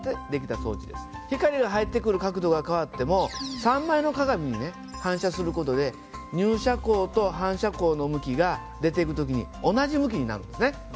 光が入ってくる角度が変わっても３枚の鏡に反射する事で入射光と反射光の向きが出ていく時に同じ向きになるんですね。